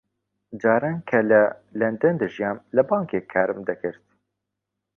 جاران کە لە لەندەن دەژیام لە بانکێک کارم دەکرد.